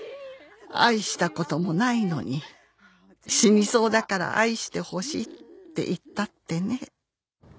「愛したこともないのに死にそうだから愛してほしいって言ったってね」